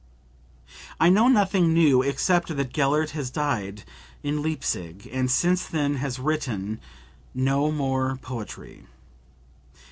"I know nothing new except that Gellert has died in Leipsic and since then has written no more poetry."